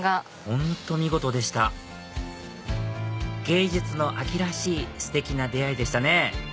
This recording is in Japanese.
本当見事でした芸術の秋らしいステキな出会いでしたね